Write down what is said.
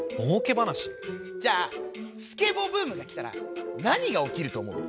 じゃあスケボーブームがきたらなにがおきるとおもう？